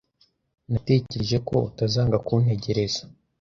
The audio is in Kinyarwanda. Natekereje ko utazanga kuntegereza.